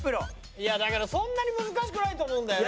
いやだからそんなに難しくないと思うんだよね。